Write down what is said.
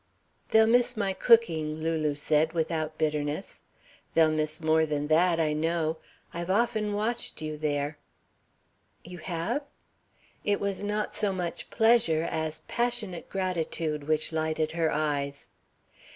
"They'll miss my cooking," Lulu said without bitterness. "They'll miss more than that, I know. I've often watched you there " "You have?" It was not so much pleasure as passionate gratitude which lighted her eyes.